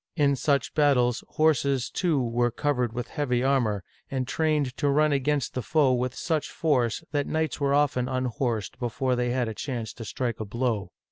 In such battles, horses, too, were covered with heavy armor, and trained to run against the foe with such force that knights were often unhorsed before they had a chance to strike a blow.